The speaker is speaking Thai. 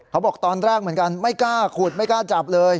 เขาบอกตอนแรกเหมือนกันไม่กล้าขุดไม่กล้าจับเลย